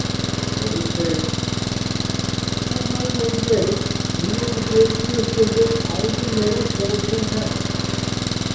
"That is clear." "At my word 'ready' you will begin to assemble all your mental force and power.